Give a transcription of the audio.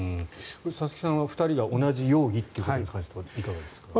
佐々木さんは２人が同じ容疑ということに関してはいかがですか？